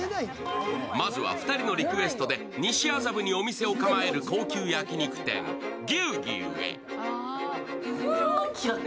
まずは２人のリクエストで西麻布にお店を構える高級焼き肉店、牛牛へ。